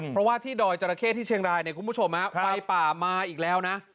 เพราะว่าที่ดอยจราเข้ที่เชียงรายเนี่ยคุณผู้ชมไฟป่ามาอีกแล้วนะ